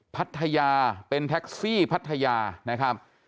พัทยาเป็นแท็กซี่พัทยานะครับ